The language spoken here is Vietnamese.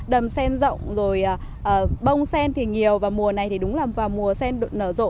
đầm sen rộng bông sen thì nhiều và mùa này thì đúng là mùa sen nở rộ